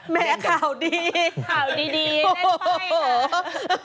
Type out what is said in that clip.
แม้ข่าวดีข่าวดีได้ไพ่น่ะ